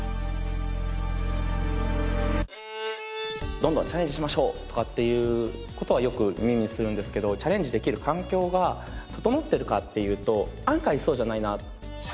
どんどんチャレンジしましょうとかっていう事はよく耳にするんですけどチャレンジできる環境が整ってるかっていうと案外そうじゃないな。